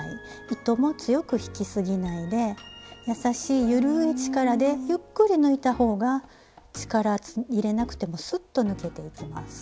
糸も強く引きすぎないで優しい緩い力でゆっくり抜いた方が力入れなくてもスッと抜けていきます。